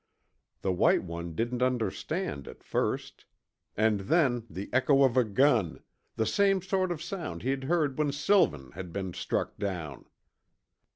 The white one didn't understand at first. And then the echo of a gun the same sort of sound he'd heard when Sylvan had been struck down!